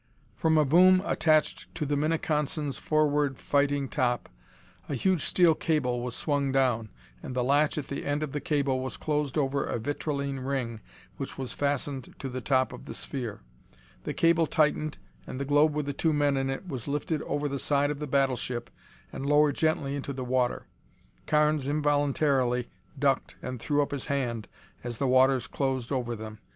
From a boom attached to the Minneconsin's forward fighting top, a huge steel cable swung down, and the latch at the end of the cable was closed over a vitrilene ring which was fastened to the top of the sphere. The cable tightened and the globe with the two men in it was lifted over the side of the battleship and lowered gently into the water. Carnes involuntarily ducked and threw up his hand as the waters closed over them.